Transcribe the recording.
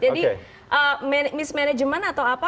jadi mismanagement atau apa